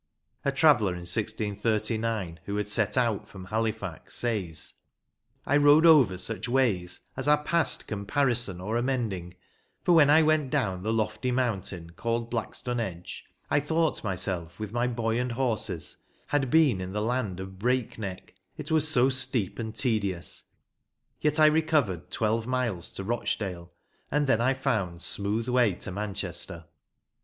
A traveller in 1639, who had set out from Halifax, says : I rode over such ways as are past comparison or amending, for when I went down the lofty mountain called Blackstone Edge I thought myself, with my boy and horses, had been in the land of Breakneck, it was so steep and tedious, yet I recovered, twelve miles to Rochdale, and then I found smooth way to Manchester.